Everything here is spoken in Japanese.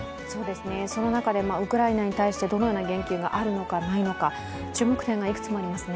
その中でウクライナに対してどのような言及があるのか、ないのか、注目点がいくつもありますね。